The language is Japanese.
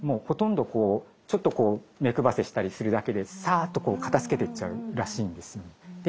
ほとんどちょっとこう目くばせしたりするだけでサーッとこう片づけていっちゃうらしいんですよね。